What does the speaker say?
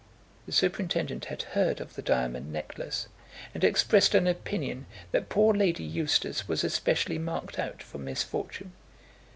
The superintendent had heard of the diamond necklace, and expressed an opinion that poor Lady Eustace was especially marked out for misfortune.